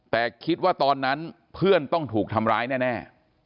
แต่คิดว่าตอนนั้นเพื่อนต้องถูกทำร้ายแน่